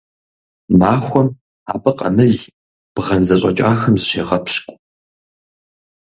Махуэм абы къамыл, бгъэн зэщӀэкӀахэм зыщегъэпщкӀу.